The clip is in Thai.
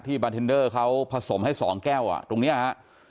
ที่บาร์เทนเดอร์เขาผสมให้สองแก้วอ่ะตรงเนี่ยฮะ